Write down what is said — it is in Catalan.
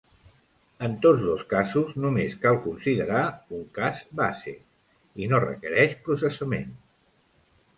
En tots dos casos, només cal considerar un cas base, i no requereix processament.